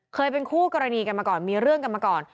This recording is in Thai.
เคยเป็นคู่กรณีกันมาก่อนมีเรื่องกันมาก่อน